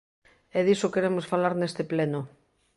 E diso queremos falar neste Pleno.